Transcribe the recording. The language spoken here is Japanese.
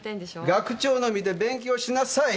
学長の見て勉強しなさい！